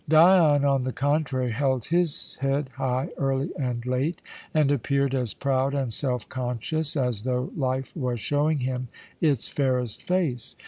Dion, on the contrary, held his head high early and late, and appeared as proud and self conscious as though life was showing him its fairest face.